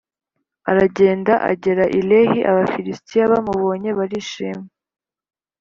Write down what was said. aragenda agera i Lehi Abafilisitiya bamubonye barishima